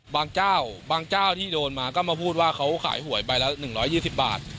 เจ้าบางเจ้าที่โดนมาก็มาพูดว่าเขาขายหวยใบละ๑๒๐บาท